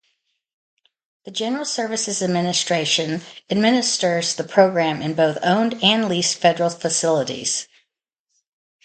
The General Services Administration administers the program in both owned and leased federal facilities.